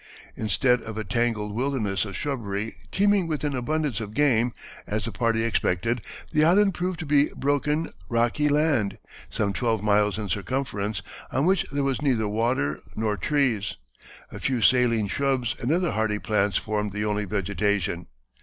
Instead of a tangled wilderness of shrubbery teeming with an abundance of game, as the party expected, the island proved to be broken, rocky land, some twelve miles in circumference, on which there was neither water nor trees; a few saline shrubs and other hardy plants formed the only vegetation.